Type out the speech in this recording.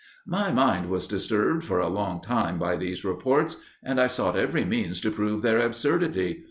"My mind was disturbed for a long time by these reports, and I sought every means to prove their absurdity.